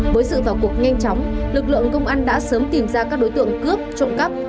với sự vào cuộc nhanh chóng lực lượng công an đã sớm tìm ra các đối tượng cướp trộm cắp